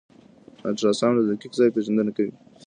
الټراساؤنډ د دقیق ځای پېژندنه کوي.